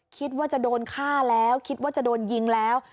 คิดว่าจะโดนฆ่าแล้วคิดว่าจะโดนยิงแล้ว